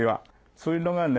そういうのがね